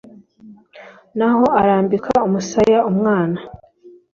n'aho arambika umusaya, umwana